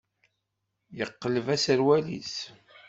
Yeqleb aserwal-is.